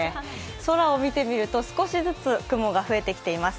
空を見てみると、少しずつ雲が増えてきています。